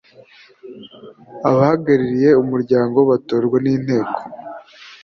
abahagarariye umuryango batorwa n inteko